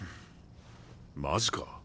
マジか。